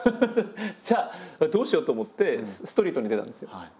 じゃあどうしよう？と思ってストリートに出たんですよ。